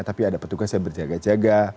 tapi ada petugas yang berjaga jaga